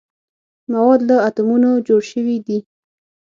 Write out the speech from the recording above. مواد له اتومونو جوړ شوي دي.